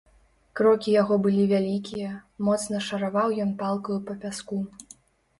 Крокі яго былі вялікія, моцна шараваў ён палкаю па пяску.